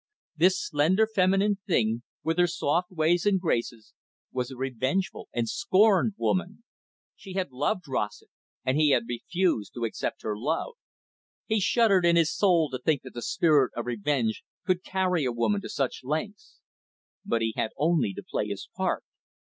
This slender, feminine thing, with her soft ways and graces, was a revengeful and scorned woman. She had loved Rossett, and he had refused to accept her love. He shuddered in his soul to think that the spirit of revenge could carry a woman to such lengths. But he had only to play his part.